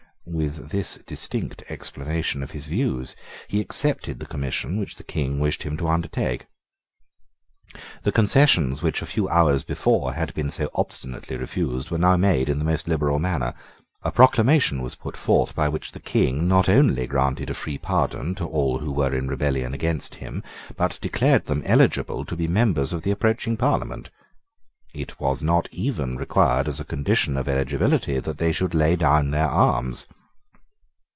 With this distinct explanation of his views, he accepted the Commission which the King wished him to undertake. The concessions which a few hours before had been so obstinately refused were now made in the most liberal manner. A proclamation was put forth by which the King not only granted a free pardon to all who were in rebellion against him, but declared them eligible to be members of the approaching Parliament. It was not even required as a condition of eligibility that they should lay down their arms.